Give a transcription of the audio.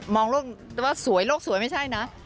มองว่าสวยโลกไม่ใช่นะ